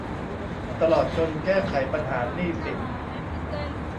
ตลอดจนแก้ไขปัญหาหนี้สิน